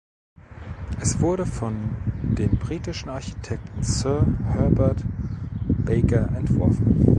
Es wurde von dem britischen Architekten Sir Herbert Baker entworfen.